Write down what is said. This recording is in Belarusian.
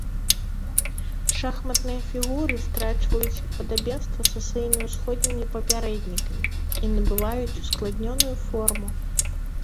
Шахматныя фігуры страчваюць падабенства са сваімі ўсходнімі папярэднікамі і набываюць ускладненую форму.